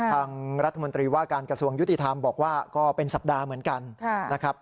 ทางรัฐมนตรีว่าการกระทรวงยุติธรรมบอกว่าก็เป็นสัปดาห์เหมือนกันนะครับ